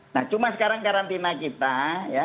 nah cuma sekarang karantina kita ya